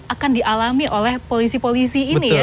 akan dialami oleh polisi polisi ini ya